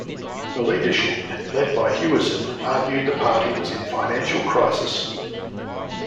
The leadership led by Hewison argued the Party was in financial crisis.